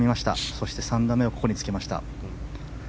そして３打目をここにつけました。